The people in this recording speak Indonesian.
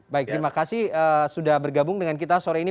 baik terima kasih sudah bergabung dengan kita sore ini